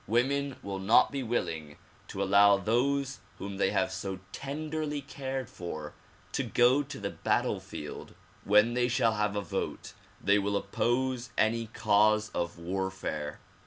Women will not be willing to allow those whom they have so tenderly cared for to go to the battlefield. When they shall have a vote they will oppose any cause of warfare.